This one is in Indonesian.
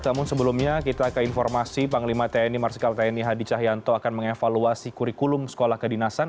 namun sebelumnya kita ke informasi panglima tni marsikal tni hadi cahyanto akan mengevaluasi kurikulum sekolah kedinasan